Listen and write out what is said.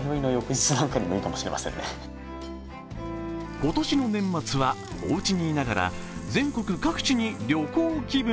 今年の年末はおうちにいながら全国各地に旅行気分。